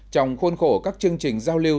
trong khuôn khổ các chương trình giao lưu